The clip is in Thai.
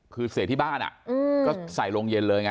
คือเสพที่บ้านก็ใส่โรงเย็นเลยไง